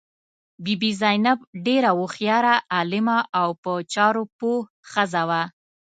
بي بي زینب ډېره هوښیاره، عالمه او په چارو پوه ښځه وه.